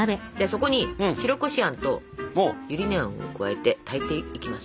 そこに白こしあんとゆり根あんを加えて炊いていきます。